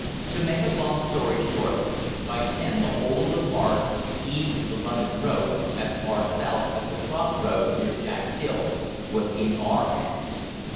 To make a long story short, by ten the whole of the Forest, east of the London Road, as far south as the cross roads near Jack's Hill, was in our hands.